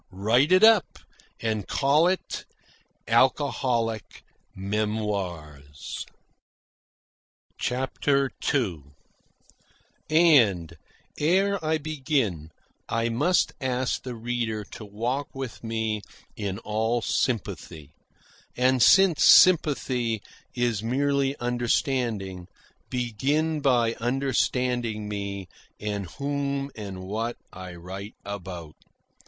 Write it up and call it 'Alcoholic Memoirs.'" CHAPTER II And, ere I begin, I must ask the reader to walk with me in all sympathy; and, since sympathy is merely understanding, begin by understanding me and whom and what I write about.